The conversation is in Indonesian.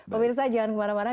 pemirsa jangan kemana mana